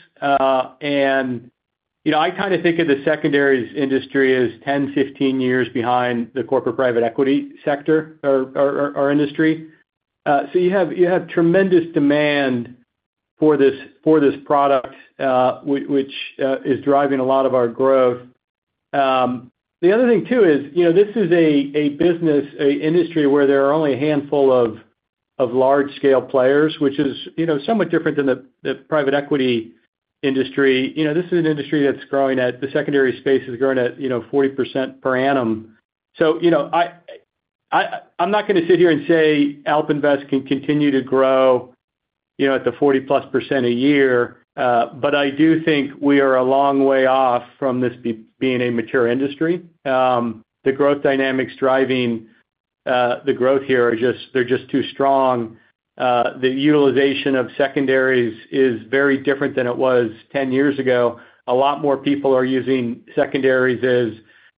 I kind of think of the secondaries industry as 10, 15 years behind the corporate private equity sector or industry. You have tremendous demand for this product, which is driving a lot of our growth. The other thing, too, is this is a business, an industry where there are only a handful of large-scale players, which is somewhat different than the private equity industry. This is an industry that's growing at the secondary space is growing at 40% per annum. I'm not going to sit here and say AlpInvest can continue to grow at the 40% plus a year, but I do think we are a long way off from this being a mature industry. The growth dynamics driving the growth here are just, they're just too strong. The utilization of secondaries is very different than it was 10 years ago. A lot more people are using secondaries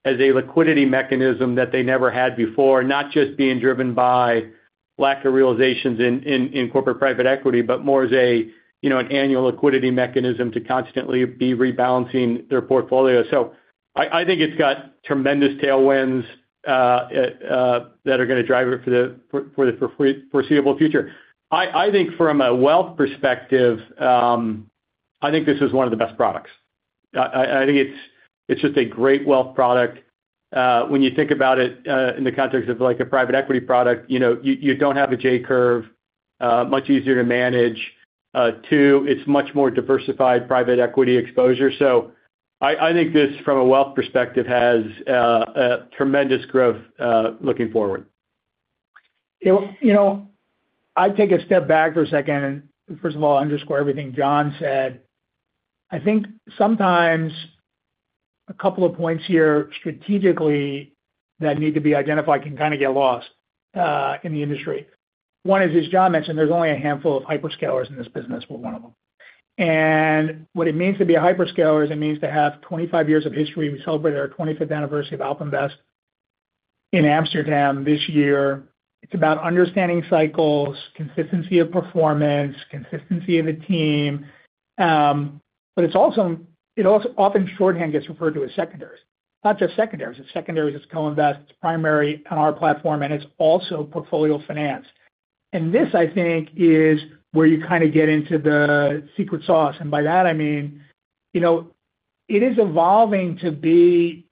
as a liquidity mechanism that they never had before, not just being driven by lack of realizations in corporate private equity, but more as an annual liquidity mechanism to constantly be rebalancing their portfolio. I think it's got tremendous tailwinds that are going to drive it for the foreseeable future. I think from a wealth perspective, I think this is one of the best products. I think it's just a great wealth product. When you think about it in the context of like a private equity product, you don't have a J-curve, much easier to manage. Two, it's much more diversified private equity exposure. I think this, from a wealth perspective, has tremendous growth looking forward. I take a step back for a second and, first of all, underscore everything John said. I think sometimes a couple of points here strategically that need to be identified can kind of get lost in the industry. One is, as John mentioned, there's only a handful of hyperscalers in this business. We're one of them. What it means to be a hyperscaler is it means to have 25 years of history. We celebrated our 25th anniversary of AlpInvest in Amsterdam this year. It's about understanding cycles, consistency of performance, consistency of a team. It also often shorthand gets referred to as secondaries. Not just secondaries. It's secondaries, it's co-invest, it's primary on our platform, and it's also portfolio finance. This, I think, is where you kind of get into the secret sauce. By that, I mean it is evolving to be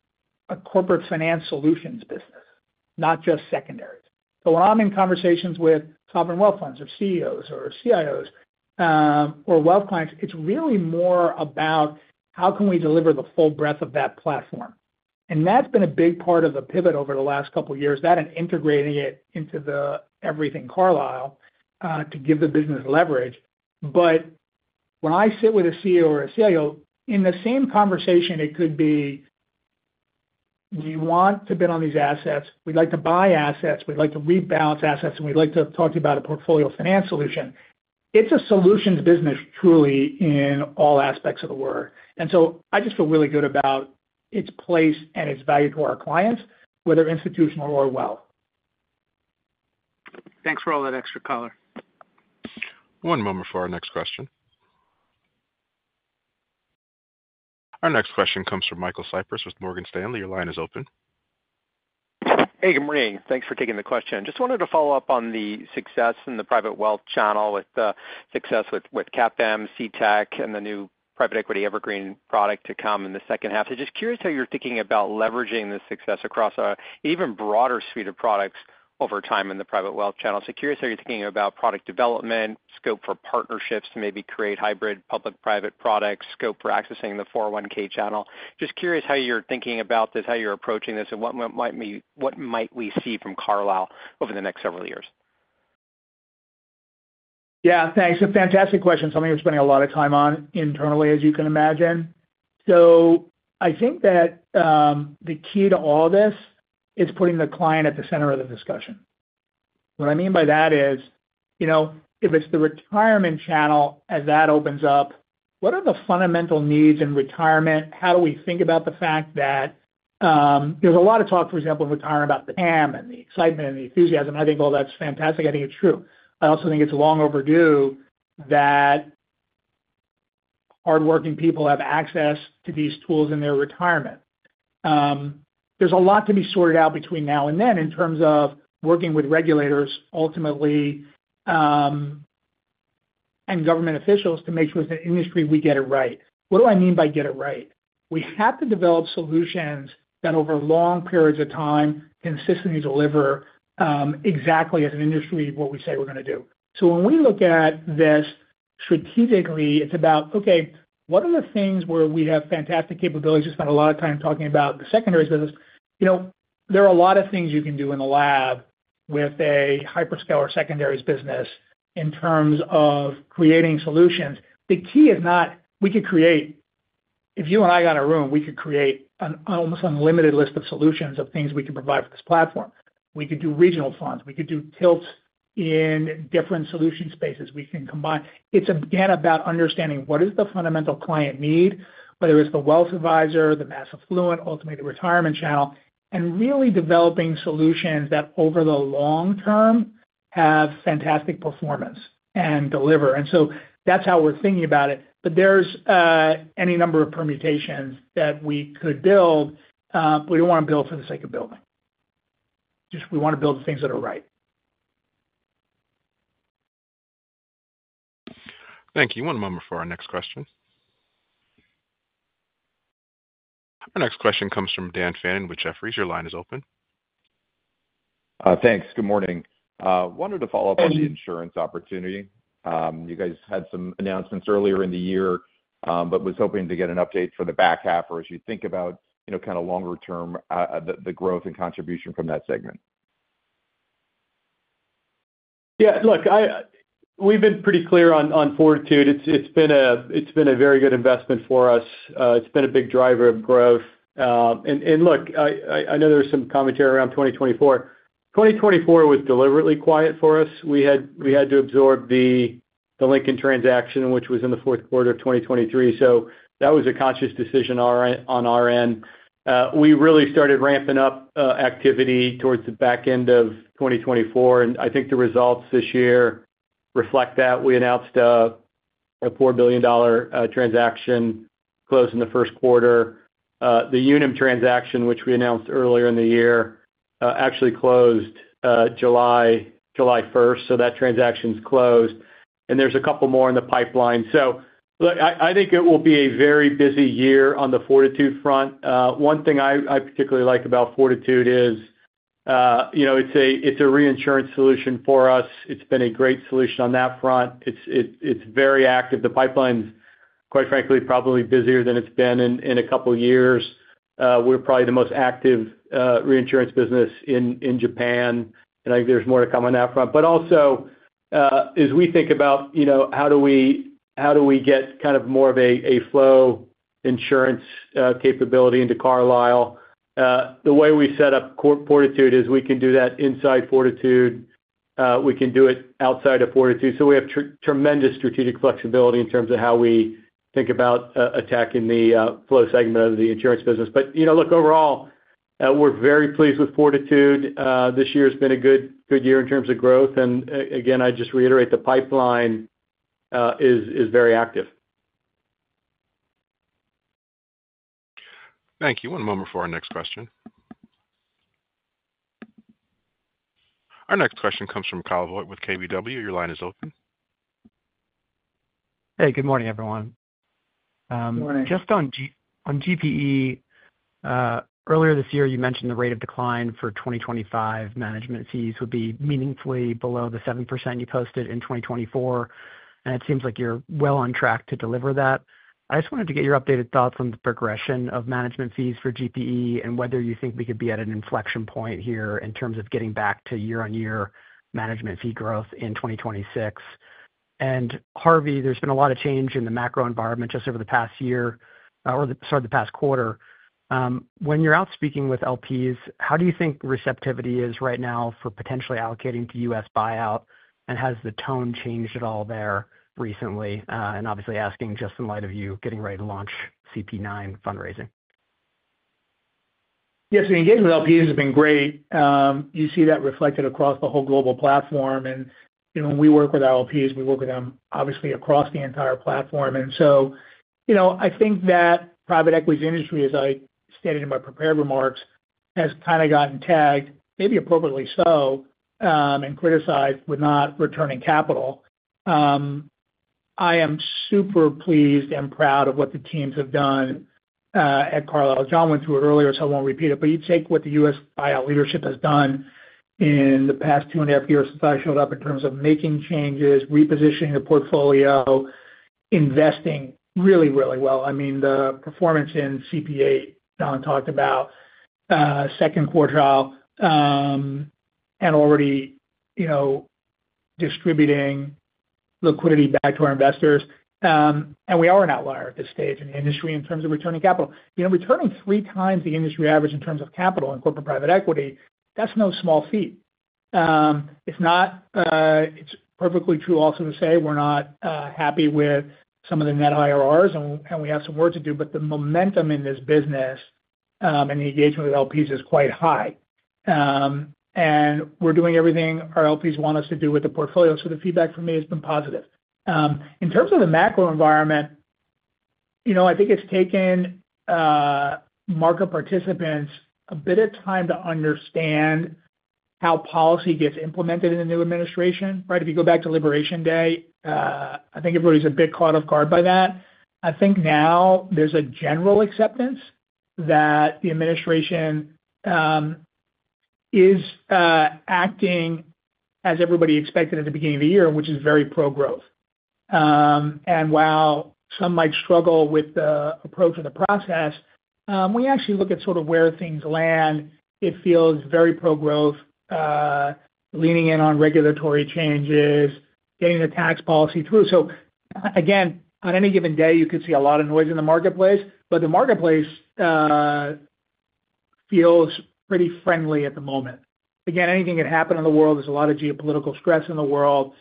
a corporate finance solutions business, not just secondaries. When I'm in conversations with top end wealth funds or CEOs or CIOs or wealth clients, it's really more about how can we deliver the full breadth of that platform. That's been a big part of the pivot over the last couple of years, that in integrating it into the everything Carlyle to give the business leverage. When I sit with a CEO or a CIO, in the same conversation, it could be, we want to bid on these assets, we'd like to buy assets, we'd like to rebalance assets, and we'd like to talk to you about a portfolio finance solution. It's a solutions business truly in all aspects of the word. I just feel really good about its place and its value to our clients, whether institutional or wealth. Thanks for all that extra color. One moment for our next question. Our next question comes from Michael Cyprys with Morgan Stanley. Your line is open. Hey, good morning. Thanks for taking the question. Just wanted to follow up on the success in the private wealth channel with the success with CAPM, CTAC, and the new private equity evergreen product to come in the second half. I'm curious how you're thinking about leveraging the success across an even broader suite of products over time in the private wealth channel. I'm curious how you're thinking about product development, scope for partnerships to maybe create hybrid public-private products, scope for accessing the 401(k) channel. I'm curious how you're thinking about this, how you're approaching this, and what might we see from The Carlyle over the next several years? Yeah, thanks. A fantastic question. Something we're spending a lot of time on internally, as you can imagine. I think that the key to all this is putting the client at the center of the discussion. What I mean by that is, you know, if it's the retirement channel, as that opens up, what are the fundamental needs in retirement? How do we think about the fact that there's a lot of talk, for example, in retirement about the AUM and the excitement and the enthusiasm? I think all that's fantastic. I think it's true. I also think it's long overdue that hardworking people have access to these tools in their retirement. There's a lot to be sorted out between now and then in terms of working with regulators, ultimately, and government officials to make sure as an industry we get it right. What do I mean by get it right? We have to develop solutions that over long periods of time consistently deliver exactly as an industry what we say we're going to do. When we look at this strategically, it's about, okay, what are the things where we have fantastic capabilities? I spent a lot of time talking about the secondaries business. There are a lot of things you can do in the lab with a hyperscaler secondaries business in terms of creating solutions. The key is not we could create, if you and I got a room, we could create an almost unlimited list of solutions of things we could provide for this platform. We could do regional funds. We could do tilts in different solution spaces. We can combine. It's again about understanding what is the fundamental client need, whether it's the wealth advisor, the mass affluent, ultimately the retirement channel, and really developing solutions that over the long term have fantastic performance and deliver. That's how we're thinking about it. There's any number of permutations that we could build, but we don't want to build for the sake of building. We want to build the things that are right. Thank you. One moment for our next question. Our next question comes from Dan Fannon with Jefferies. Your line is open. Thanks. Good morning. Wanted to follow up on the insurance opportunity. You guys had some announcements earlier in the year, was hoping to get an update for the back half or as you think about, you know, kind of longer term, the growth and contribution from that segment. Yeah, look, we've been pretty clear on Fortitude. It's been a very good investment for us. It's been a big driver of growth. I know there's some commentary around 2024. 2024 was deliberately quiet for us. We had to absorb the Lincoln transaction, which was in the fourth quarter of 2023. That was a conscious decision on our end. We really started ramping up activity towards the back end of 2024, and I think the results this year reflect that. We announced a $4 billion transaction closed in the first quarter. The Unum transaction, which we announced earlier in the year, actually closed July 1. That transaction's closed. There's a couple more in the pipeline. I think it will be a very busy year on the Fortitude front. One thing I particularly like about Fortitude is, you know, it's a reinsurance solution for us. It's been a great solution on that front. It's very active. The pipeline's, quite frankly, probably busier than it's been in a couple of years. We're probably the most active reinsurance business in Japan. I think there's more to come on that front. Also, as we think about, you know, how do we get kind of more of a flow insurance capability into Carlyle, the way we set up Fortitude is we can do that inside Fortitude. We can do it outside of Fortitude. We have tremendous strategic flexibility in terms of how we think about attacking the flow segment of the insurance business. Overall, we're very pleased with Fortitude. This year has been a good year in terms of growth. Again, I just reiterate, the pipeline is very active. Thank you. One moment for our next question. Our next question comes from Kyle Voigt with KBW. Your line is open. Hey, good morning, everyone. Good morning. Just on GPE, earlier this year, you mentioned the rate of decline for 2025 management fees would be meaningfully below the 7% you posted in 2024. It seems like you're well on track to deliver that. I just wanted to get your updated thoughts on the progression of management fees for GPE and whether you think we could be at an inflection point here in terms of getting back to year-on-year management fee growth in 2026. Harvey, there's been a lot of change in the macro environment just over the past year, or the past quarter. When you're out speaking with LPs, how do you think receptivity is right now for potentially allocating to U.S. buyout? Has the tone changed at all there recently? Obviously asking just in light of you getting ready to launch CP9 fundraising. Yes, the engagement with LPs has been great. You see that reflected across the whole global platform. When we work with our LPs, we work with them obviously across the entire platform. I think that private equity's industry, as I stated in my prepared remarks, has kind of gotten tagged, maybe appropriately so, and criticized with not returning capital. I am super pleased and proud of what the teams have done at Carlyle. John went through it earlier, so I won't repeat it. You take what the U.S. buyout leadership has done in the past two and a half years since I showed up in terms of making changes, repositioning the portfolio, investing really, really well. The performance in CP8 John talked about, second quartile, and already distributing liquidity back to our investors. We are an outlier at this stage in the industry in terms of returning capital. Returning three times the industry average in terms of capital in corporate private equity, that's no small feat. It's perfectly true also to say we're not happy with some of the net IRRs, and we have some work to do, but the momentum in this business and the engagement with LPs is quite high. We're doing everything our LPs want us to do with the portfolio. The feedback for me has been positive. In terms of the macro environment, I think it's taken market participants a bit of time to understand how policy gets implemented in the new administration, right? If you go back to Liberation Day, I think everybody's a bit caught off guard by that. I think now there's a general acceptance that the administration is acting as everybody expected at the beginning of the year, which is very pro-growth. While some might struggle with the approach of the process, when you actually look at sort of where things land, it feels very pro-growth, leaning in on regulatory changes, getting the tax policy through. On any given day, you could see a lot of noise in the marketplace, but the marketplace feels pretty friendly at the moment. Anything could happen in the world. There's a lot of geopolitical stress in the world,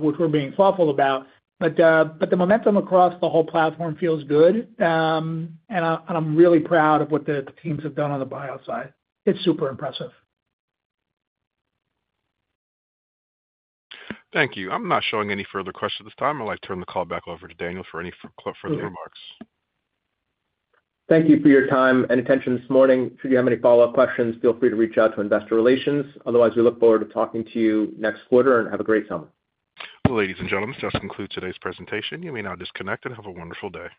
which we're being thoughtful about. The momentum across the whole platform feels good. I'm really proud of what the teams have done on the buyout side. It's super impressive. Thank you. I'm not showing any further questions at this time. I'd like to turn the call back over to Daniel for any further remarks. Thank you for your time and attention this morning. Should you have any follow-up questions, feel free to reach out to Investor Relations. Otherwise, we look forward to talking to you next quarter and have a great summer. Ladies and gentlemen, this concludes today's presentation. You may now disconnect and have a wonderful day.